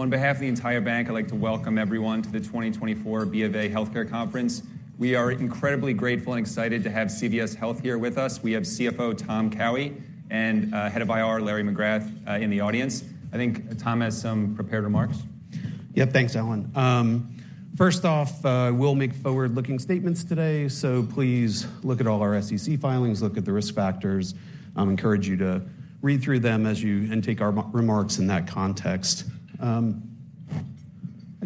On behalf of the entire bank, I'd like to welcome everyone to the 2024 B of A Healthcare Conference. We are incredibly grateful and excited to have CVS Health here with us. We have CFO Tom Cowhey and Head of IR Larry McGrath in the audience. I think Tom has some prepared remarks. Yep, thanks, Allen. First off, we'll make forward-looking statements today, so please look at all our SEC filings, look at the risk factors. I encourage you to read through them as you and take our remarks in that context. I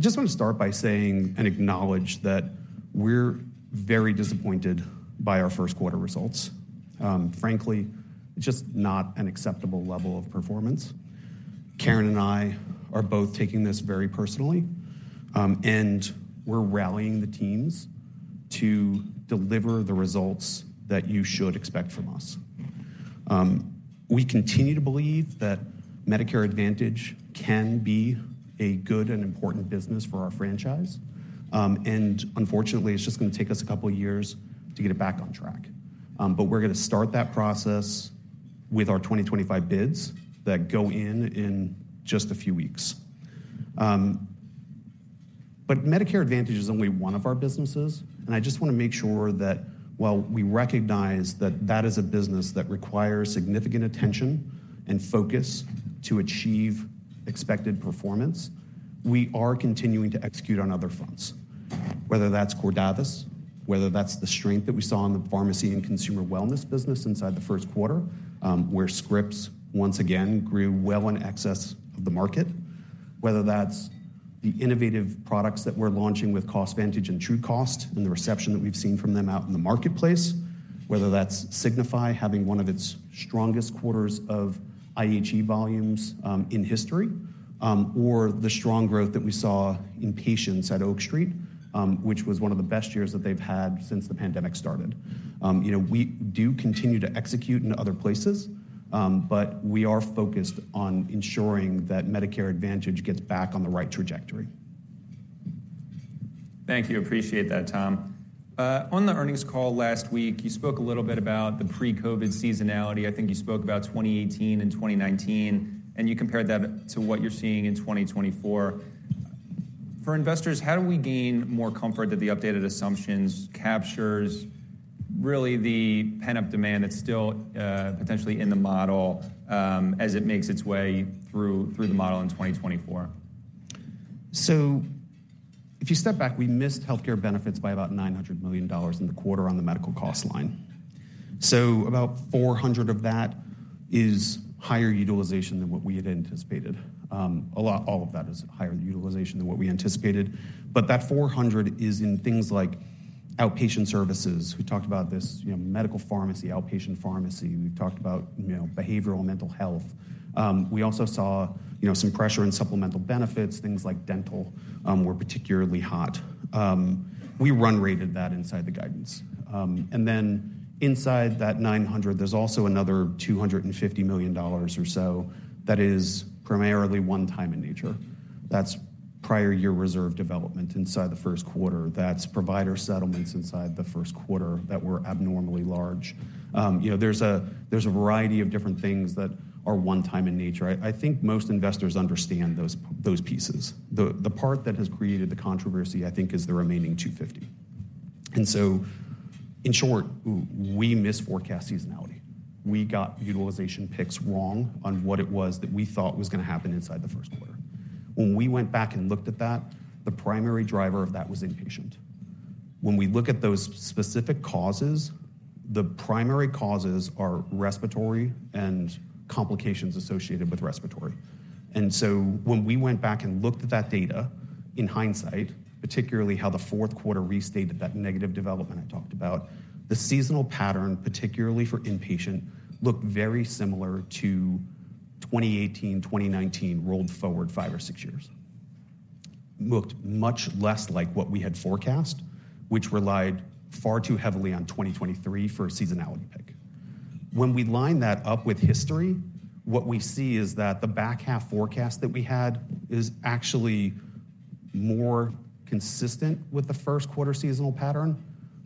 just want to start by saying and acknowledge that we're very disappointed by our Q1 results. Frankly, it's just not an acceptable level of performance. Karen and I are both taking this very personally, and we're rallying the teams to deliver the results that you should expect from us. We continue to believe that Medicare Advantage can be a good and important business for our franchise, and unfortunately, it's just going to take us a couple of years to get it back on track. But we're going to start that process with our 2025 bids that go in in just a few weeks. But Medicare Advantage is only one of our businesses, and I just want to make sure that while we recognize that that is a business that requires significant attention and focus to achieve expected performance, we are continuing to execute on other fronts, whether that's Cordavis, whether that's the strength that we saw in the pharmacy and consumer wellness business inside the Q1, where scripts once again grew well in excess of the market, whether that's the innovative products that we're launching with CostVantage and TrueCost and the reception that we've seen from them out in the marketplace, whether that's Signify having one of its strongest quarters of IHE volumes in history, or the strong growth that we saw in patients at Oak Street, which was one of the best years that they've had since the pandemic started. We do continue to execute in other places, but we are focused on ensuring that Medicare Advantage gets back on the right trajectory. Thank you. Appreciate that, Tom. On the earnings call last week, you spoke a little bit about the pre-COVID seasonality. I think you spoke about 2018 and 2019, and you compared that to what you're seeing in 2024. For investors, how do we gain more comfort that the updated assumptions captures really the pent-up demand that's still potentially in the model as it makes its way through the model in 2024? So if you step back, we missed healthcare benefits by about $900 million in the quarter on the medical cost line. So about 400 of that is higher utilization than what we had anticipated. All of that is higher utilization than what we anticipated. But that 400 is in things like outpatient services. We talked about this medical pharmacy, outpatient pharmacy. We've talked about behavioral mental health. We also saw some pressure in supplemental benefits. Things like dental were particularly hot. We run-rated that inside the guidance. And then inside that 900, there's also another $250 million or so that is primarily one-time in nature. That's prior year reserve development inside the Q1. That's provider settlements inside the Q1 that were abnormally large. There's a variety of different things that are one-time in nature. I think most investors understand those pieces. The part that has created the controversy, I think, is the remaining $250. So in short, we missed forecast seasonality. We got utilization picks wrong on what it was that we thought was going to happen inside the Q1. When we went back and looked at that, the primary driver of that was inpatient. When we look at those specific causes, the primary causes are respiratory and complications associated with respiratory. So when we went back and looked at that data in hindsight, particularly how the Q4 restated that negative development I talked about, the seasonal pattern, particularly for inpatient, looked very similar to 2018, 2019 rolled forward 5 or 6 years. It looked much less like what we had forecast, which relied far too heavily on 2023 for a seasonality pick. When we line that up with history, what we see is that the back half forecast that we had is actually more consistent with the Q1 seasonal pattern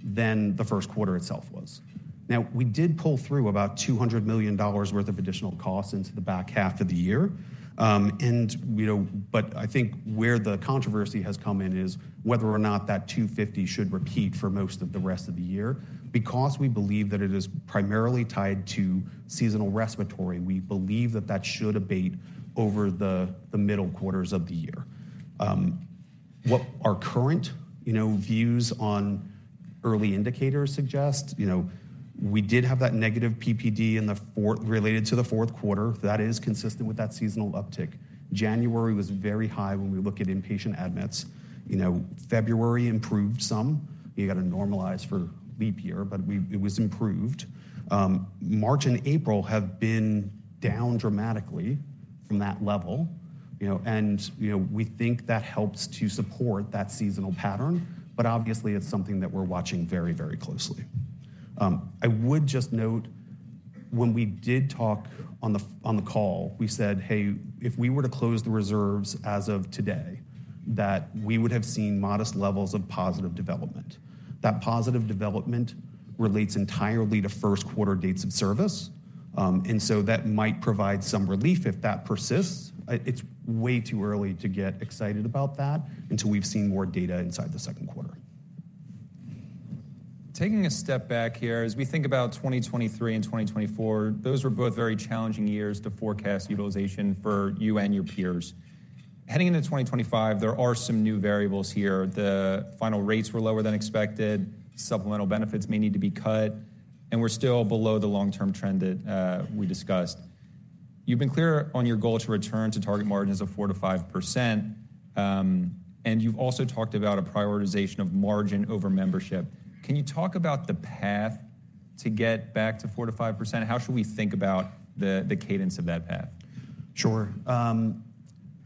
than the Q1 itself was. Now, we did pull through about $200 million worth of additional costs into the back half of the year. But I think where the controversy has come in is whether or not that 250 should repeat for most of the rest of the year because we believe that it is primarily tied to seasonal respiratory. We believe that that should abate over the middle quarters of the year. What our current views on early indicators suggest is we did have that negative PPD related to the Q4. That is consistent with that seasonal uptick. January was very high when we look at inpatient admits. February improved some. You got to normalize for leap year, but it was improved. March and April have been down dramatically from that level, and we think that helps to support that seasonal pattern. But obviously, it's something that we're watching very, very closely. I would just note when we did talk on the call, we said, "Hey, if we were to close the reserves as of today, that we would have seen modest levels of positive development." That positive development relates entirely to Q1 dates of service, and so that might provide some relief if that persists. It's way too early to get excited about that until we've seen more data inside the Q2. Taking a step back here, as we think about 2023 and 2024, those were both very challenging years to forecast utilization for you and your peers. Heading into 2025, there are some new variables here. The final rates were lower than expected. Supplemental benefits may need to be cut, and we're still below the long-term trend that we discussed. You've been clear on your goal to return to target margins of 4%-5%, and you've also talked about a prioritization of margin over membership. Can you talk about the path to get back to 4%-5%? How should we think about the cadence of that path? Sure.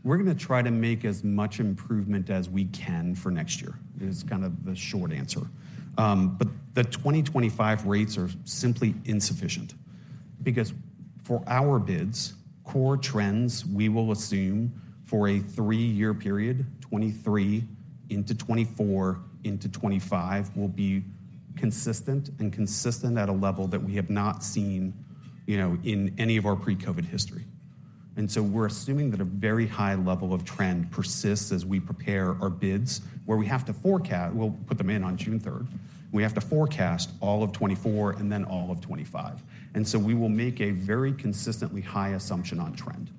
We're going to try to make as much improvement as we can for next year. It is kind of the short answer. But the 2025 rates are simply insufficient because for our bids, core trends we will assume for a three-year period, 2023 into 2024 into 2025, will be consistent and consistent at a level that we have not seen in any of our pre-COVID history. And so we're assuming that a very high level of trend persists as we prepare our bids, where we have to forecast we'll put them in on June 3rd. We have to forecast all of 2024 and then all of 2025. And so we will make a very consistently high assumption on trend.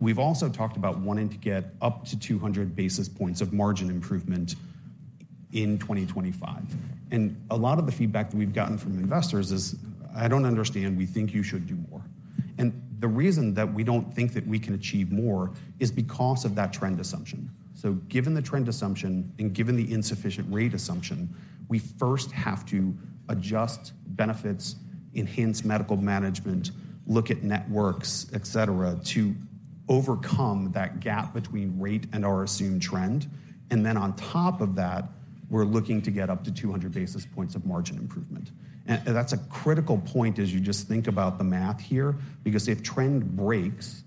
We've also talked about wanting to get up to 200 basis points of margin improvement in 2025. And a lot of the feedback that we've gotten from investors is, "I don't understand. We think you should do more." And the reason that we don't think that we can achieve more is because of that trend assumption. So given the trend assumption and given the insufficient rate assumption, we first have to adjust benefits, enhance medical management, look at networks, etc., to overcome that gap between rate and our assumed trend. And then on top of that, we're looking to get up to 200 basis points of margin improvement. And that's a critical point as you just think about the math here because if trend breaks,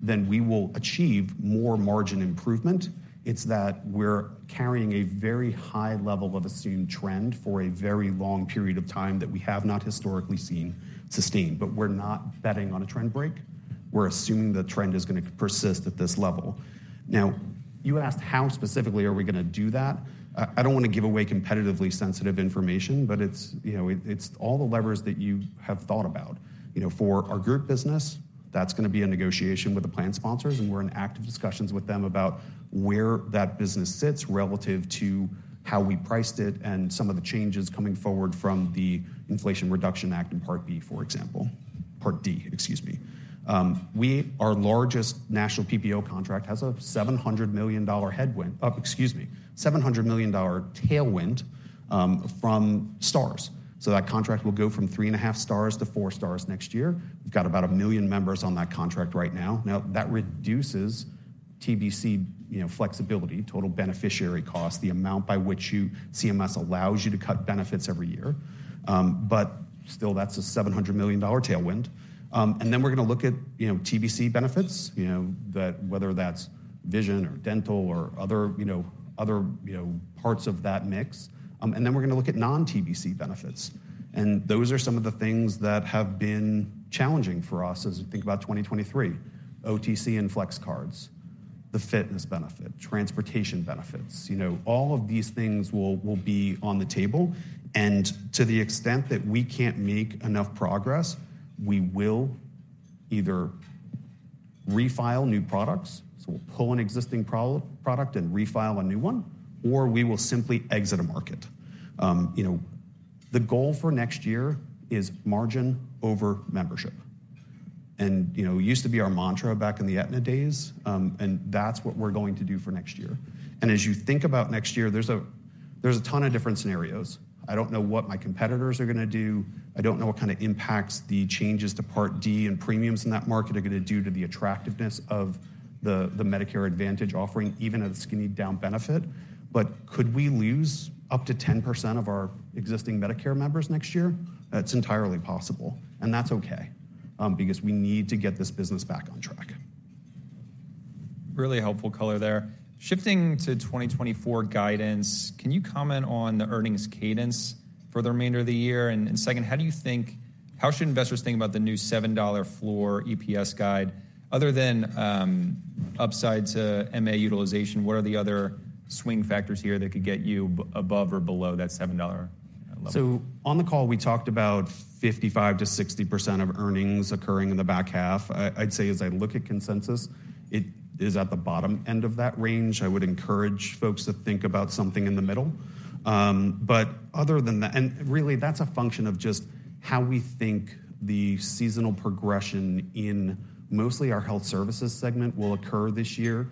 then we will achieve more margin improvement. It's that we're carrying a very high level of assumed trend for a very long period of time that we have not historically seen sustained. But we're not betting on a trend break. We're assuming the trend is going to persist at this level. Now, you asked how specifically are we going to do that. I don't want to give away competitively sensitive information, but it's all the levers that you have thought about. For our group business, that's going to be a negotiation with the plan sponsors, and we're in active discussions with them about where that business sits relative to how we priced it and some of the changes coming forward from the Inflation Reduction Act in Part B, for example, Part D, excuse me. Our largest national PPO contract has a $700 million headwind excuse me, $700 million tailwind from Stars. So that contract will go from 3.5 stars to 4 stars next year. We've got about 1 million members on that contract right now. Now, that reduces TBC flexibility, Total Beneficiary Cost, the amount by which CMS allows you to cut benefits every year. But still, that's a $700 million tailwind. And then we're going to look at TBC benefits, whether that's vision or dental or other parts of that mix. And then we're going to look at non-TBC benefits. And those are some of the things that have been challenging for us as we think about 2023: OTC and Flex cards, the fitness benefit, transportation benefits. All of these things will be on the table. And to the extent that we can't make enough progress, we will either refile new products - so we'll pull an existing product and refile a new one - or we will simply exit a market. The goal for next year is margin over membership. It used to be our mantra back in the Aetna days, and that's what we're going to do for next year. As you think about next year, there's a ton of different scenarios. I don't know what my competitors are going to do. I don't know what kind of impacts the changes to Part D and premiums in that market are going to do to the attractiveness of the Medicare Advantage offering, even at a skinny down benefit. But could we lose up to 10% of our existing Medicare members next year? That's entirely possible, and that's okay because we need to get this business back on track. Really helpful color there. Shifting to 2024 guidance, can you comment on the earnings cadence for the remainder of the year? And second, how should investors think about the new $7 floor EPS guide? Other than upside to MA utilization, what are the other swing factors here that could get you above or below that $7 level? So on the call, we talked about 55%-60% of earnings occurring in the back half. I'd say as I look at consensus, it is at the bottom end of that range. I would encourage folks to think about something in the middle. But other than that and really, that's a function of just how we think the seasonal progression in mostly our health services segment will occur this year.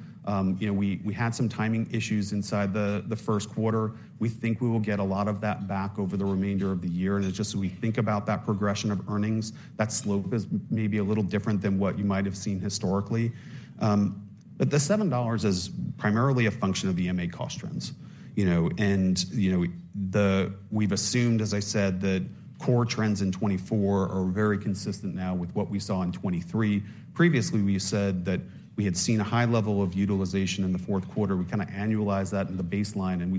We had some timing issues inside the Q1. We think we will get a lot of that back over the remainder of the year. And it's just as we think about that progression of earnings, that slope is maybe a little different than what you might have seen historically. But the $7 is primarily a function of the MA cost trends. We've assumed, as I said, that core trends in 2024 are very consistent now with what we saw in 2023. Previously, we said that we had seen a high level of utilization in the Q4. We kind of annualized that in the baseline, and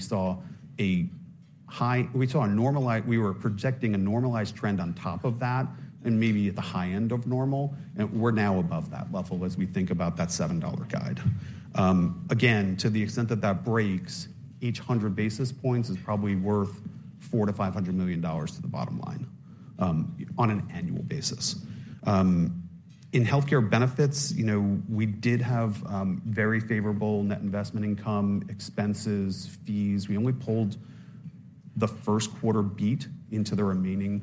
we were projecting a normalized trend on top of that and maybe at the high end of normal. We're now above that level as we think about that $7 guide. Again, to the extent that that breaks, each 100 basis points is probably worth $4 million-$500 million to the bottom line on an annual basis. In healthcare benefits, we did have very favorable net investment income, expenses, fees. We only pulled the Q1 beat into the remaining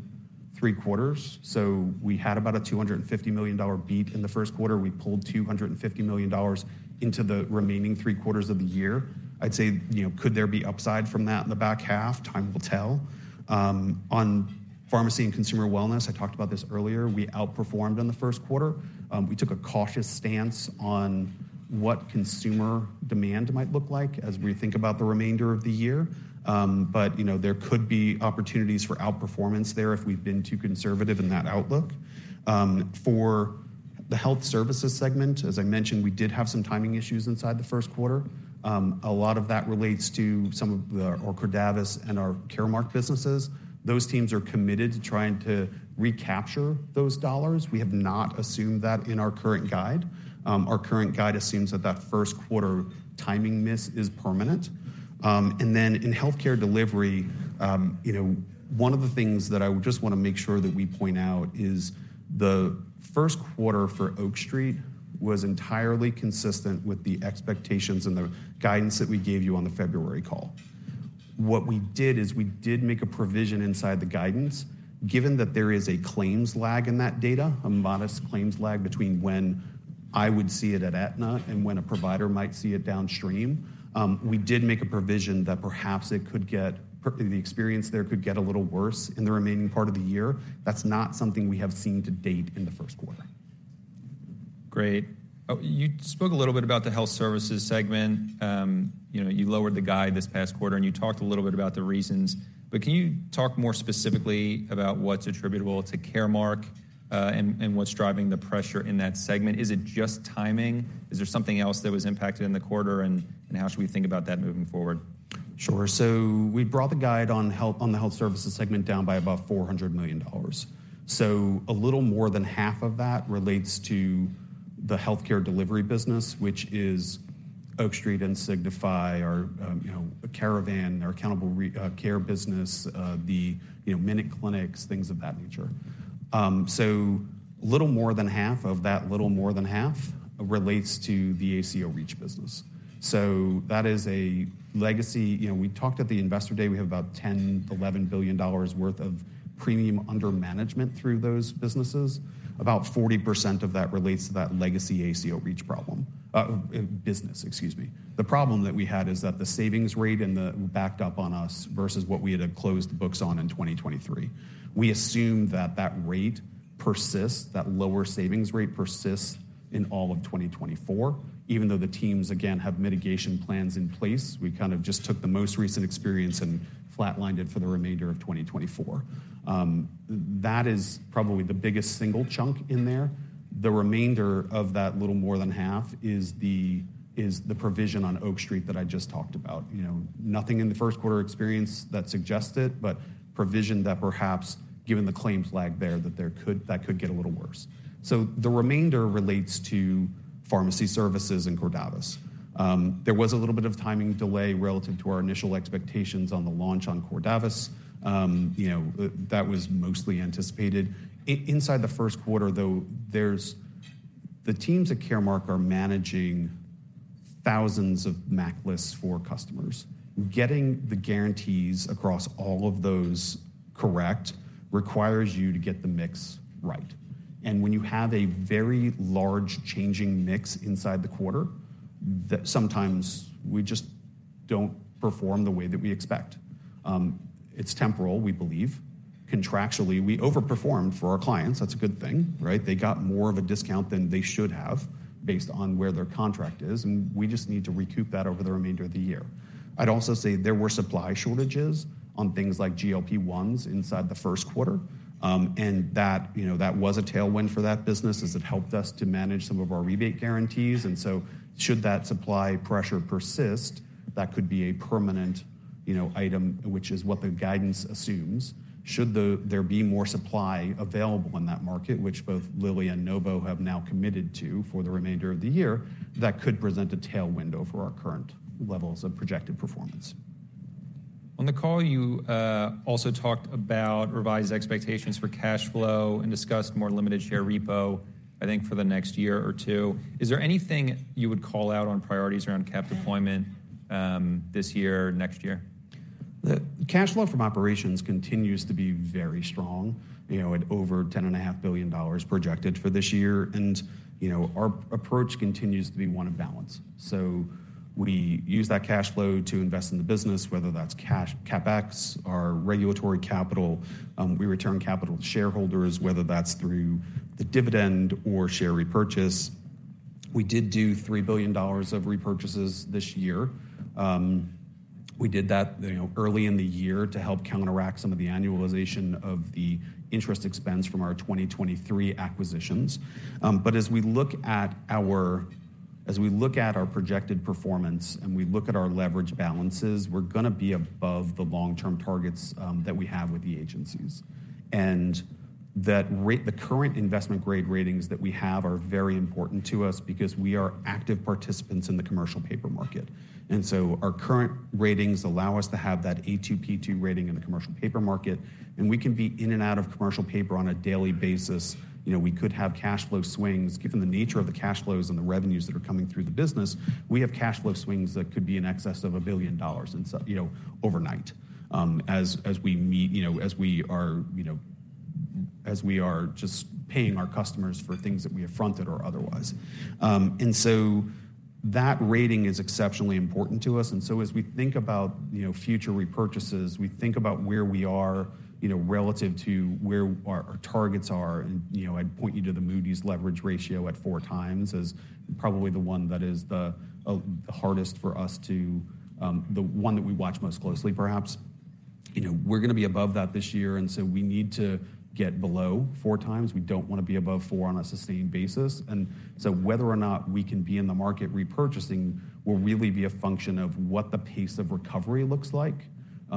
three quarters. So we had about a $250 million beat in the Q1. We pulled $250 million into the remaining three quarters of the year. I'd say could there be upside from that in the back half? Time will tell. On pharmacy and consumer wellness, I talked about this earlier. We outperformed in the Q1. We took a cautious stance on what consumer demand might look like as we think about the remainder of the year. But there could be opportunities for outperformance there if we've been too conservative in that outlook. For the health services segment, as I mentioned, we did have some timing issues inside the Q1. A lot of that relates to some of our Cordavis and our Caremark businesses. Those teams are committed to trying to recapture those dollars. We have not assumed that in our current guide. Our current guide assumes that that Q1 timing miss is permanent. Then in healthcare delivery, one of the things that I just want to make sure that we point out is the Q1 for Oak Street was entirely consistent with the expectations and the guidance that we gave you on the February call. What we did is we did make a provision inside the guidance. Given that there is a claims lag in that data, a modest claims lag between when I would see it at Aetna and when a provider might see it downstream, we did make a provision that perhaps it could get the experience there could get a little worse in the remaining part of the year. That's not something we have seen to date in the Q1. Great. You spoke a little bit about the health services segment. You lowered the guide this past quarter, and you talked a little bit about the reasons. But can you talk more specifically about what's attributable to Caremark and what's driving the pressure in that segment? Is it just timing? Is there something else that was impacted in the quarter, and how should we think about that moving forward? Sure. So we brought the guide on the health services segment down by about $400 million. So a little more than half of that relates to the healthcare delivery business, which is Oak Street and Signify, our Caravan, our accountable care business, the MinuteClinics, things of that nature. So a little more than half of that little more than half relates to the ACO REACH business. So that is a legacy we talked at the investor day. We have about $10 billion-$11 billion worth of premium under management through those businesses. About 40% of that relates to that legacy ACO REACH problem business, excuse me. The problem that we had is that the savings rate backed up on us versus what we had closed the books on in 2023. We assume that that rate persists, that lower savings rate persists in all of 2024, even though the teams, again, have mitigation plans in place. We kind of just took the most recent experience and flatlined it for the remainder of 2024. That is probably the biggest single chunk in there. The remainder of that little more than half is the provision on Oak Street that I just talked about. Nothing in the Q1 experience that suggests it, but provision that perhaps, given the claims lag there, that could get a little worse. So the remainder relates to pharmacy services and Cordavis. There was a little bit of timing delay relative to our initial expectations on the launch on Cordavis. That was mostly anticipated. Inside the Q1, though, the teams at Caremark are managing thousands of MAC lists for customers. Getting the guarantees across all of those correct requires you to get the mix right. When you have a very large changing mix inside the quarter, sometimes we just don't perform the way that we expect. It's temporal, we believe. Contractually, we overperformed for our clients. That's a good thing, right? They got more of a discount than they should have based on where their contract is. We just need to recoup that over the remainder of the year. I'd also say there were supply shortages on things like GLP-1s inside the Q1. That was a tailwind for that business as it helped us to manage some of our rebate guarantees. So should that supply pressure persist, that could be a permanent item, which is what the guidance assumes. Should there be more supply available in that market, which both Lilly and Novo have now committed to for the remainder of the year, that could present a tailwind for our current levels of projected performance. On the call, you also talked about revised expectations for cash flow and discussed more limited share repo, I think, for the next year or two. Is there anything you would call out on priorities around cap deployment this year, next year? The cash flow from operations continues to be very strong at over $10.5 billion projected for this year. Our approach continues to be one of balance. We use that cash flow to invest in the business, whether that's CapEx, our regulatory capital. We return capital to shareholders, whether that's through the dividend or share repurchase. We did do $3 billion of repurchases this year. We did that early in the year to help counteract some of the annualization of the interest expense from our 2023 acquisitions. But as we look at our projected performance and we look at our leverage balances, we're going to be above the long-term targets that we have with the agencies. The current investment-grade ratings that we have are very important to us because we are active participants in the commercial paper market. Our current ratings allow us to have that A-2/P-2 rating in the commercial paper market. We can be in and out of commercial paper on a daily basis. We could have cash flow swings. Given the nature of the cash flows and the revenues that are coming through the business, we have cash flow swings that could be in excess of $1 billion overnight as we are just paying our customers for things that we have fronted or otherwise. That rating is exceptionally important to us. As we think about future repurchases, we think about where we are relative to where our targets are. I'd point you to the Moody's leverage ratio at 4x as probably the one that is the hardest for us, the one that we watch most closely, perhaps. We're going to be above that this year. We need to get below four times. We don't want to be above four on a sustained basis. Whether or not we can be in the market repurchasing will really be a function of what the pace of recovery looks like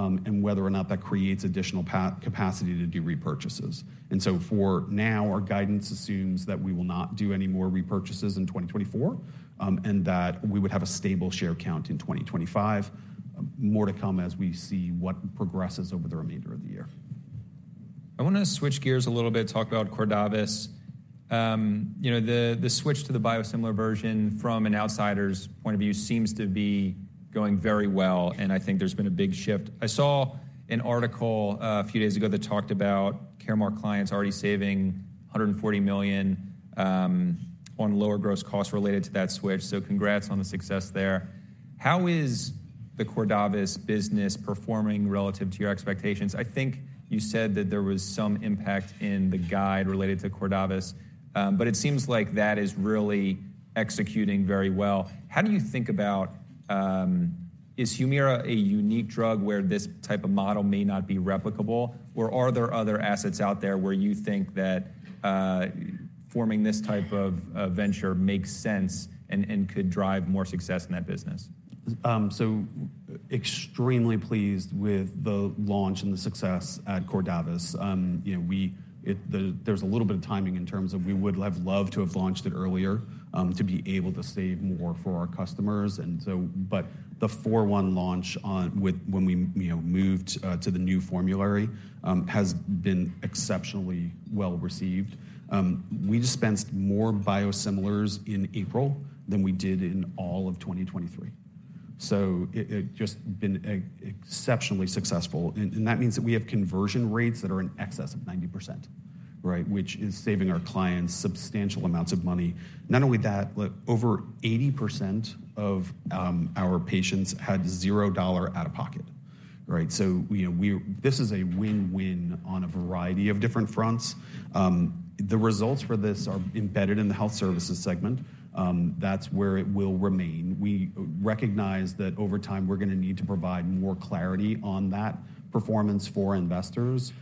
and whether or not that creates additional capacity to do repurchases. For now, our guidance assumes that we will not do any more repurchases in 2024 and that we would have a stable share count in 2025. More to come as we see what progresses over the remainder of the year. I want to switch gears a little bit, talk about Cordavis. The switch to the biosimilar version from an outsider's point of view seems to be going very well. I think there's been a big shift. I saw an article a few days ago that talked about Caremark clients already saving $140 million on lower gross costs related to that switch. So congrats on the success there. How is the Cordavis business performing relative to your expectations? I think you said that there was some impact in the guide related to Cordavis. It seems like that is really executing very well. How do you think about is Humira a unique drug where this type of model may not be replicable? Or are there other assets out there where you think that forming this type of venture makes sense and could drive more success in that business? So extremely pleased with the launch and the success at Cordavis. There's a little bit of timing in terms of we would have loved to have launched it earlier to be able to save more for our customers. But the 4.1 launch when we moved to the new formulary has been exceptionally well received. We dispensed more biosimilars in April than we did in all of 2023. So it's just been exceptionally successful. And that means that we have conversion rates that are in excess of 90%, right, which is saving our clients substantial amounts of money. Not only that, but over 80% of our patients had zero dollar out of pocket, right? So this is a win-win on a variety of different fronts. The results for this are embedded in the health services segment. That's where it will remain. We recognize that over time, we're going to need to provide more clarity on that performance for investors.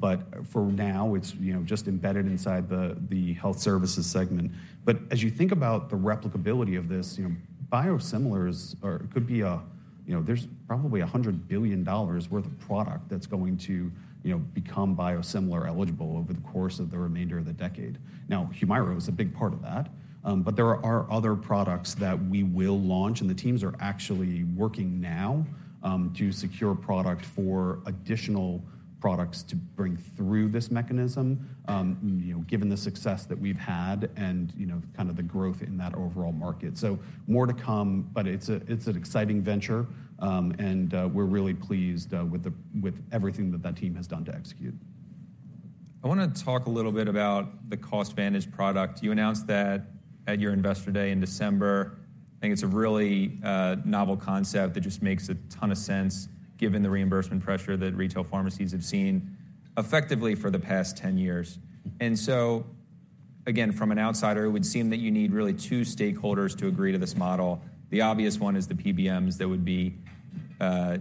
But for now, it's just embedded inside the health services segment. But as you think about the replicability of this, biosimilars could be, there's probably $100 billion worth of product that's going to become biosimilar eligible over the course of the remainder of the decade. Now, Humira was a big part of that. But there are other products that we will launch. And the teams are actually working now to secure product for additional products to bring through this mechanism, given the success that we've had and kind of the growth in that overall market. So more to come. But it's an exciting venture. And we're really pleased with everything that that team has done to execute. I want to talk a little bit about the CostVantage product. You announced that at your investor day in December. I think it's a really novel concept that just makes a ton of sense, given the reimbursement pressure that retail pharmacies have seen effectively for the past 10 years. And so again, from an outsider, it would seem that you need really two stakeholders to agree to this model. The obvious one is the PBMs that would be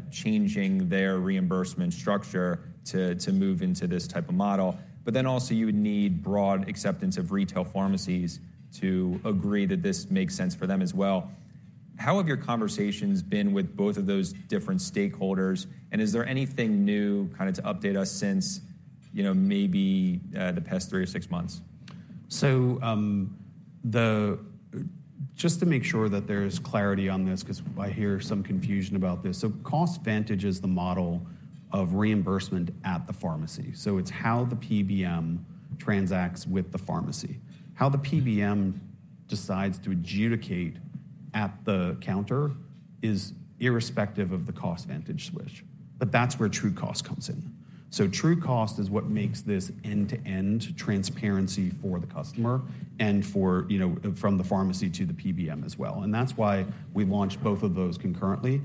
changing their reimbursement structure to move into this type of model. But then also, you would need broad acceptance of retail pharmacies to agree that this makes sense for them as well. How have your conversations been with both of those different stakeholders? And is there anything new kind of to update us since maybe the past 3 or 6 months? So just to make sure that there's clarity on this because I hear some confusion about this. So CostVantage is the model of reimbursement at the pharmacy. So it's how the PBM transacts with the pharmacy. How the PBM decides to adjudicate at the counter is irrespective of the CostVantage switch. But that's where TrueCost comes in. So TrueCost is what makes this end-to-end transparency for the customer and from the pharmacy to the PBM as well. And that's why we launched both of those concurrently.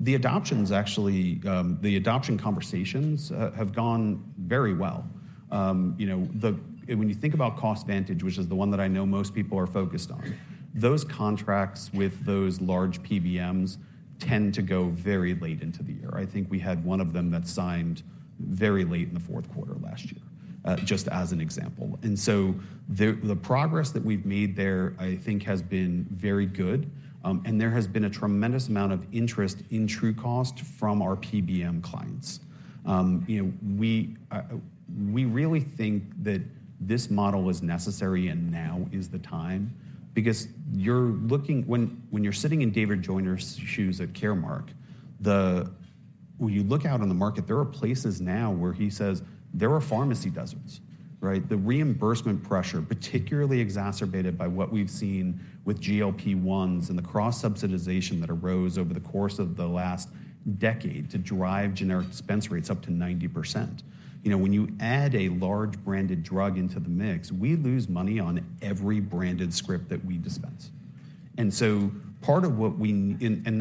The adoptions, actually the adoption conversations have gone very well. When you think about CostVantage, which is the one that I know most people are focused on, those contracts with those large PBMs tend to go very late into the year. I think we had one of them that signed very late in the Q4 last year, just as an example. So the progress that we've made there, I think, has been very good. And there has been a tremendous amount of interest in TrueCost from our PBM clients. We really think that this model is necessary. And now is the time because you're looking when you're sitting in David Joyner's shoes at Caremark, when you look out on the market, there are places now where he says, "There are pharmacy deserts," right? The reimbursement pressure, particularly exacerbated by what we've seen with GLP-1s and the cross-subsidization that arose over the course of the last decade to drive generic dispense rates up to 90%. When you add a large branded drug into the mix, we lose money on every branded script that we dispense. And so part of what we and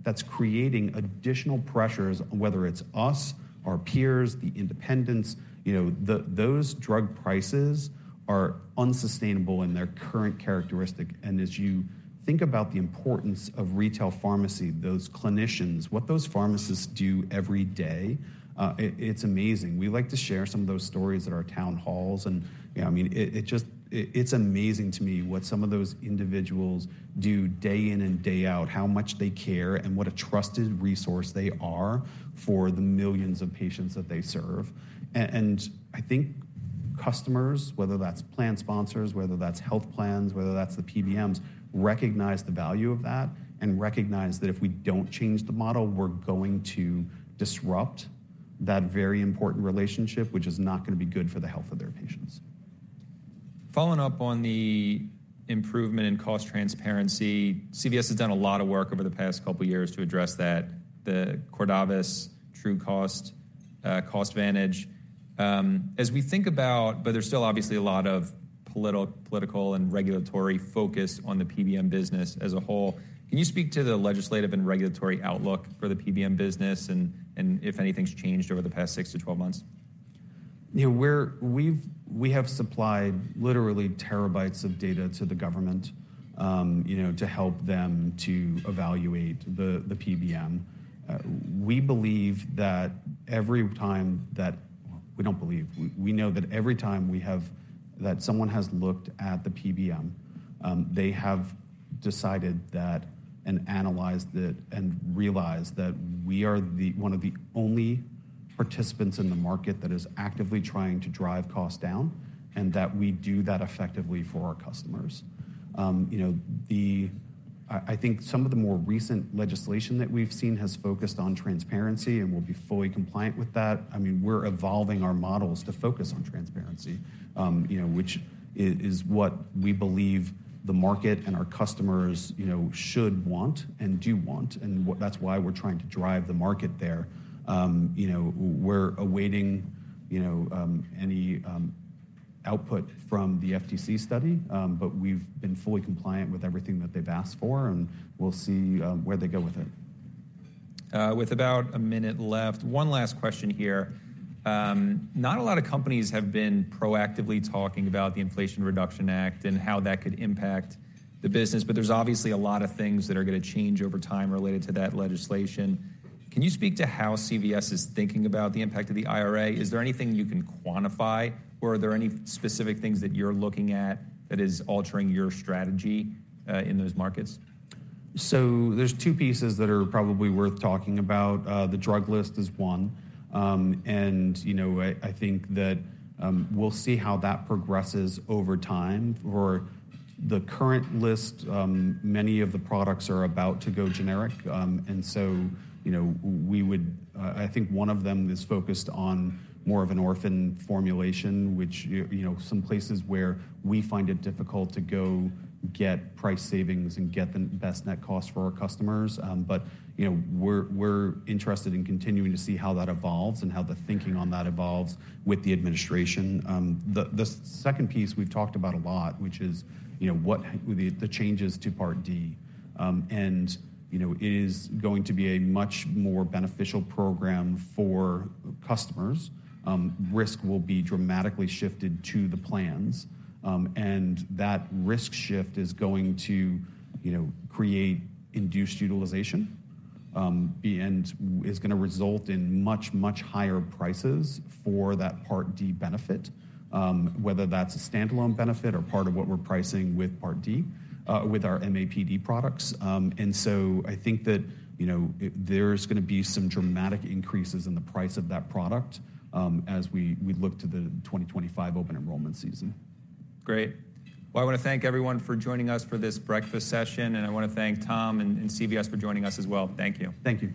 that's creating additional pressures, whether it's us, our peers, the independents. Those drug prices are unsustainable in their current characteristic. And as you think about the importance of retail pharmacy, those clinicians, what those pharmacists do every day, it's amazing. We like to share some of those stories at our town halls. And I mean, it's amazing to me what some of those individuals do day in and day out, how much they care and what a trusted resource they are for the millions of patients that they serve. And I think customers, whether that's plan sponsors, whether that's health plans, whether that's the PBMs, recognize the value of that and recognize that if we don't change the model, we're going to disrupt that very important relationship, which is not going to be good for the health of their patients. Following up on the improvement in cost transparency, CVS has done a lot of work over the past couple of years to address that, the Cordavis TrueCost, CostVantage. As we think about, but there's still obviously a lot of political and regulatory focus on the PBM business as a whole. Can you speak to the legislative and regulatory outlook for the PBM business and if anything's changed over the past 6-12 months? We have supplied literally terabytes of data to the government to help them to evaluate the PBM. We know that every time we have that someone has looked at the PBM, they have decided that and analyzed it and realized that we are one of the only participants in the market that is actively trying to drive cost down and that we do that effectively for our customers. I think some of the more recent legislation that we've seen has focused on transparency and will be fully compliant with that. I mean, we're evolving our models to focus on transparency, which is what we believe the market and our customers should want and do want. And that's why we're trying to drive the market there. We're awaiting any output from the FTC study. But we've been fully compliant with everything that they've asked for. And we'll see where they go with it. With about a minute left, one last question here. Not a lot of companies have been proactively talking about the Inflation Reduction Act and how that could impact the business. But there's obviously a lot of things that are going to change over time related to that legislation. Can you speak to how CVS is thinking about the impact of the IRA? Is there anything you can quantify? Or are there any specific things that you're looking at that is altering your strategy in those markets? So there's two pieces that are probably worth talking about. The drug list is one. I think that we'll see how that progresses over time. For the current list, many of the products are about to go generic. So we would I think one of them is focused on more of an orphan formulation, which some places where we find it difficult to go get price savings and get the best net cost for our customers. But we're interested in continuing to see how that evolves and how the thinking on that evolves with the administration. The second piece we've talked about a lot, which is the changes to Part D. It is going to be a much more beneficial program for customers. Risk will be dramatically shifted to the plans. And that risk shift is going to create induced utilization and is going to result in much, much higher prices for that Part D benefit, whether that's a standalone benefit or part of what we're pricing with Part D with our MAPD products. And so I think that there's going to be some dramatic increases in the price of that product as we look to the 2025 open enrollment season. Great. Well, I want to thank everyone for joining us for this breakfast session. I want to thank Tom and CVS for joining us as well. Thank you. Thank you.